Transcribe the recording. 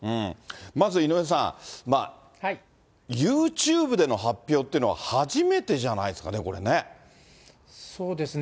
まず井上さん、ユーチューブでの発表っていうのは初めてじゃないですかね、そうですね。